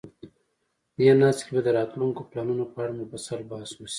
دې ناسته کې به د راتلونکو پلانونو په اړه مفصل بحث وشي.